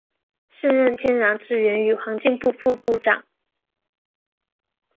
现任天然资源与环境部副部长。